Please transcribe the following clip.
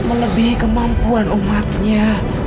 melebihi kemampuan umatnya